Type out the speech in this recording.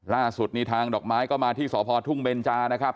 ล่าสุดนี่ทางดอกไม้ก็มาที่สพทุ่งเบนจานะครับ